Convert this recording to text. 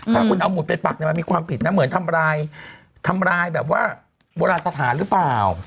ถ้าคุณเอาหมุดเป็นปักมันมีความผิดนะเหมือนทำร้ายแบบว่าโบราสถานหรือเปล่า